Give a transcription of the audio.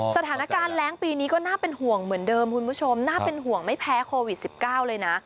สถานการณ์แรงปีนี้ก็น่าเป็นห่วงเหมือนเดิมคุณผู้ชมน่าเป็นห่วงไม่แพ้โควิด๑๙เลยนะ